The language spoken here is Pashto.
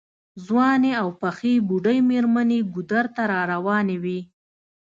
ځوانې او پخې بوډۍ مېرمنې ګودر ته راروانې وې.